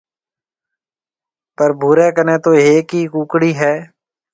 پر ڀوري ڪنَي تو هيَڪ ئي ڪونڪڙِي هيَ۔